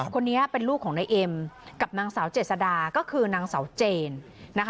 คนนี้เป็นลูกของนายเอ็มกับนางสาวเจษดาก็คือนางสาวเจนนะคะ